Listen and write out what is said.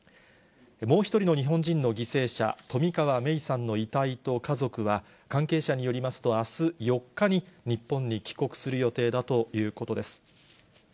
もう１人の日本人の犠牲者、冨川芽生さんの遺体と家族は、関係者によりますと、あす４日に日本に帰国する予定だということです。